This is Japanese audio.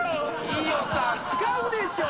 飯尾さん使うでしょ！